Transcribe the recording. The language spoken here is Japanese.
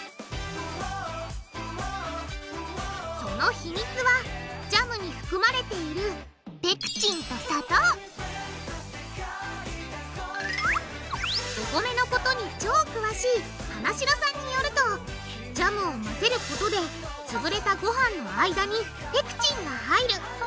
その秘密はジャムに含まれているお米のことに超詳しい花城さんによるとジャムを混ぜることでつぶれたごはんの間にペクチンが入る。